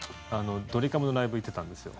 ドリカムのライブ行ってたんですよ。